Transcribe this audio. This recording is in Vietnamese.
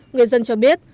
người dân cho biết